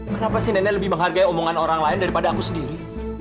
kenapa sih nenek lebih menghargai omongan orang lain daripada aku sendiri